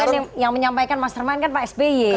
ini kan yang menyampaikan mastermind kan pak sby